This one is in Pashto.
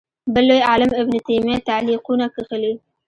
بل لوی عالم ابن تیمیه تعلیقونه کښلي